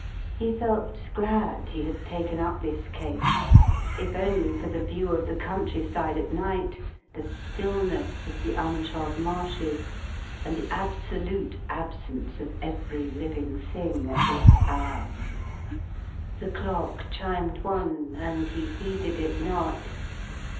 He felt glad he had taken up this case, if only for the view of the countryside at night, the stillness of the untrod marshes, and the absolute absence of every living thing at this hour. The clock chimed one, and he heeded it not.